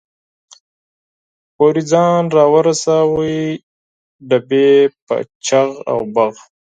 پورې ځان را ورساوه، ډبې په چغ او بغ.